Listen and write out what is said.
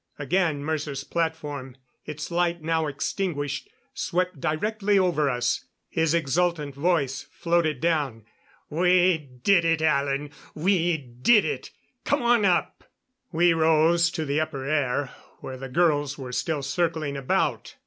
Again Mercer's platform its light now extinguished swept directly over us. His exultant voice floated down. "We did it, Alan! We did it! Come on up!" We rose to the upper air, where the girls were still circling about.